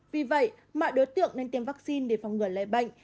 vì vậy mọi đối tượng nên tiêm vaccine để phòng ngừa lây bệnh